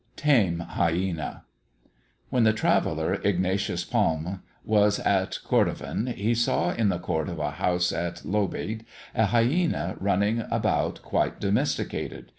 TAME HYÆNA. When the traveller, Ignatius Pallme, was at Kordofan, he saw in the court of a house at Lobeid, a hyæna running about quite domesticated.